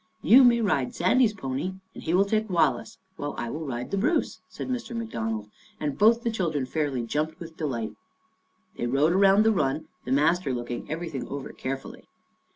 " You may ride Sandy's pony, and he will take Wallace, while I will ride ' The Bruce,' " said Mr. McDonald, and both the children fairly jumped with delight. They rode around the run, the master looking everything over care fully.